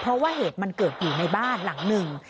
เพราะว่าเหตุมันเกิดอยู่ในบ้านหลังหนึ่ง